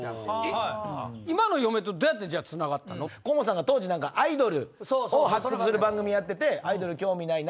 河本さんが当時アイドルを発掘する番組やってて「アイドル興味ない？」